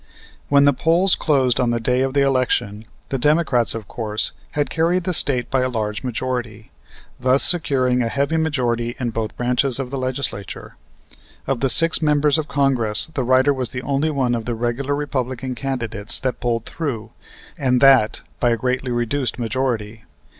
When the polls closed on the day of the election, the Democrats, of course, had carried the State by a large majority, thus securing a heavy majority in both branches of the Legislature. Of the six members of Congress the writer was the only one of the regular Republican candidates that pulled through, and that, by a greatly reduced majority.